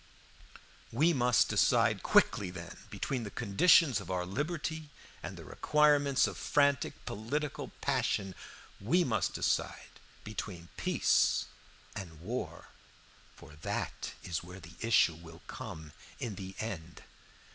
"We must decide quickly, then, between the conditions of our liberty and the requirements of frantic political passion. We must decide between peace and war, for that is where the issue will come in the end.